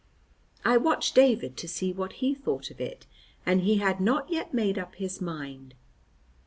I watched David to see what he thought of it, and he had not yet made up his mind.